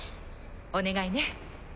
お願いね。